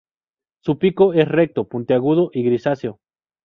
Su pico es recto, puntiagudo y grisáceo.